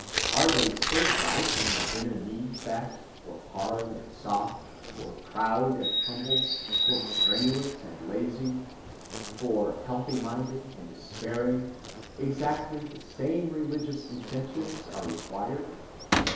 Are they so like in their inner needs that, for hard and soft, for proud and humble, for strenuous and lazy, for healthy‐minded and despairing, exactly the same religious incentives are required?